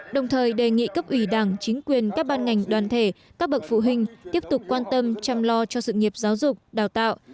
đồng thời đề nghị cấp ủy đảng chính quyền các ban ngành đoàn thể các bậc phụ huynh tiếp tục quan tâm chăm lo cho sự nghiệp giáo dục đào tạo